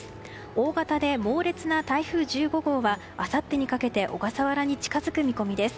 大型で猛烈な台風１５号はあさってにかけて小笠原に近づく見込みです。